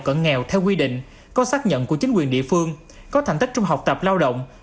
cận nghèo theo quy định có xác nhận của chính quyền địa phương có thành tích trong học tập lao động